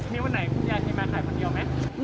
มีวันไหนคุณยายจะมาขายคนเดียวไหม